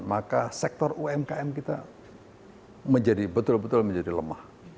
maka sektor umkm kita betul betul menjadi lemah